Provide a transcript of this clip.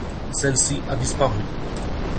Celle-ci a disparu.